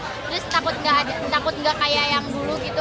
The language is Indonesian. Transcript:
terus takut nggak kayak yang dulu gitu